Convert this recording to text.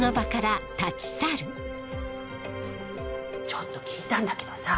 ちょっと聞いたんだけどさ